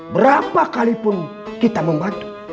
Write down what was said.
berapa kalipun kita membantu